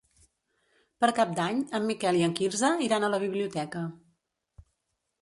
Per Cap d'Any en Miquel i en Quirze iran a la biblioteca.